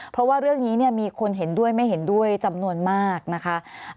เพราะว่าเรื่องนี้มีคนเห็นด้วยไม่เห็นด้วยจำนวนมากนะคะ